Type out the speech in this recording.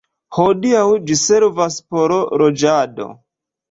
Hodiaŭ ĝi servas por loĝado.